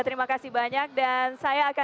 terima kasih banyak